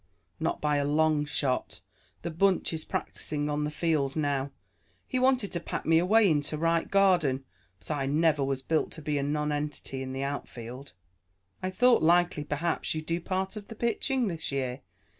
"Not by a long shot. The bunch is practicing on the field now. He wanted to pack me away into right garden, but I never was built to be a nonentity in the outfield." "I thought likely perhaps you'd do part of the pitching this year.